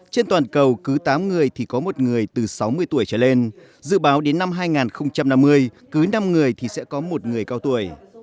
trên toàn cầu cứ tám người thì có một người từ sáu mươi tuổi trở lên dự báo đến năm hai nghìn năm mươi cứ năm người thì sẽ có một người cao tuổi